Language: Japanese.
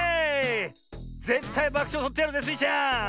ぜったいばくしょうをとってやるぜスイちゃん！